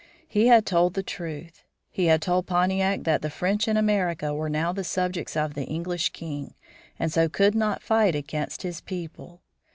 He had told the truth. He had told Pontiac that the French in America were now the subjects of the English king, and so could not fight against his people.